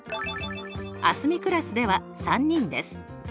あすみクラスでは３人です。